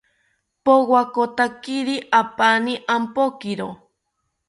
Powakotakiri apani ompokiro